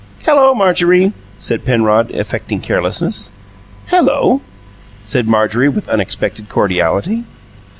"Hello, Marjorie," said Penrod, affecting carelessness. "Hello!" said Marjorie, with unexpected cordiality.